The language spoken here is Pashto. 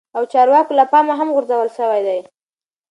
او چارواکو له پا مه هم غور ځول شوي وه